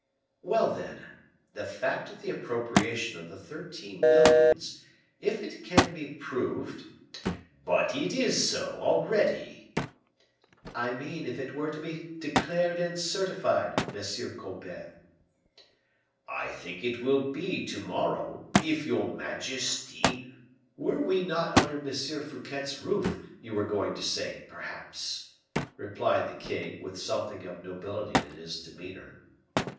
"Well, then, the fact of the appropriation of the thirteen millions, if it can be proved " "But it is so already." "I mean if it were to be declared and certified, M. Colbert." "I think it will be to morrow, if your majesty " "Were we not under M. Fouquet's roof, you were going to say, perhaps," replied the king, with something of nobility in his demeanor.